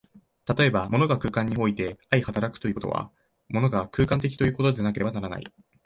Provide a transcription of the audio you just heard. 例えば、物が空間において相働くということは、物が空間的ということでなければならない。